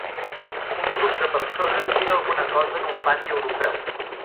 Un grup de persones mira alguna cosa en un pati europeu.